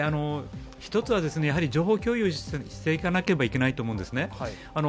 １つは、情報共有していかなければいけないと思うんですね。